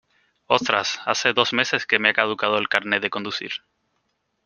Ostras, hace dos meses que me ha caducado el carnet de conducir.